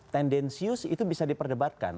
tendensius itu bisa diperdebatkan